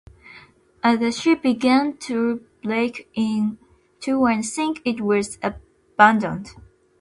As the ship began to break in two and sink, it was abandoned.